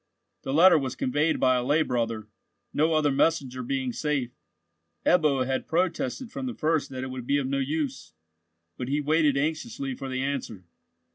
The letter was conveyed by a lay brother—no other messenger being safe. Ebbo had protested from the first that it would be of no use, but he waited anxiously for the answer.